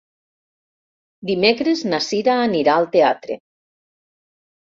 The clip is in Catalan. Dimecres na Cira anirà al teatre.